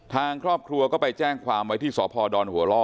ทางครอบครัวก็ไปแจ้งความไว้ที่สพดหัวล่อ